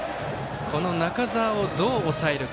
中澤をどう抑えるか。